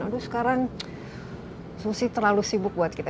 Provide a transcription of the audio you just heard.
aduh sekarang susi terlalu sibuk buat kita